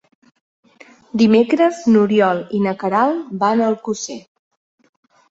Dimecres n'Oriol i na Queralt van a Alcosser.